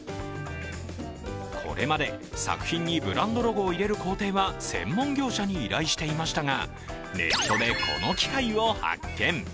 これまで作品にブランドロゴを入れる工程は専門業者に依頼していましたが、ネットでこの機械を発見。